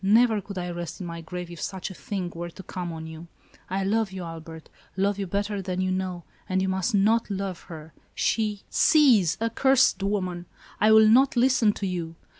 Never could I rest in my grave, if such a thing were to come on you. I love you, Albert, love you better than you know, and you must not love her ; she —" 82 ALICE; OR, THE WAGES OF SIN. " Cease, accursed woman ! I will not listen to you."